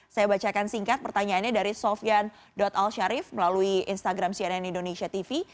saya bacakan singkat pertanyaannya dari sofyan alsharif melalui instagram cnn indonesia tv